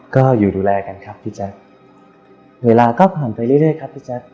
ก็อยู่ดูแลกันครับพี่แจ๊คเวลาก็ผ่านไปเรื่อยครับพี่แจ๊ค